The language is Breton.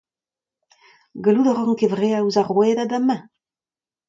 Gallout a ran kevreañ ouzh ar rouedad amañ ?